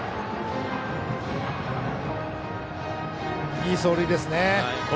いい走塁ですね。